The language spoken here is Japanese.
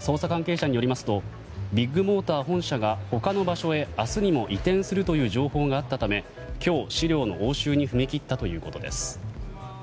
捜査関係者によりますとビッグモーター本社が他の場所へ明日にも移転するという情報があったため今日、資料の押収に踏み切ったということです。